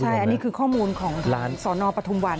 ใช่อันนี้คือข้อมูลของทางสอนออกประธุมวัน